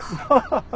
ハハハハ！